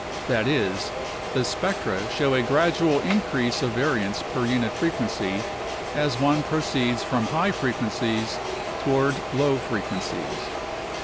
That is, the spectra show a gradual in crease of variance per unit frequency as one proceeds from high fre quencies toward low frequencies.